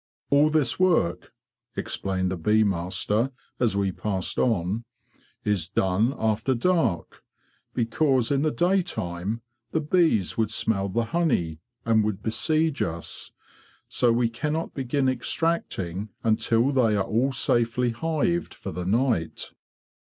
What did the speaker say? '* All this work,''? explained the bee master, as we passed on, "' is done after dark, because in the daytime the bees would smell the honey and would besiege us. So we cannot begin extracting until they are all safely hived for the night.